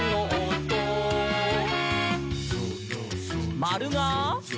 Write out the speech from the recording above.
「まるが？」